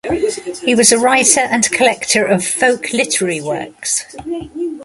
He was a writer and collector of folk literary works.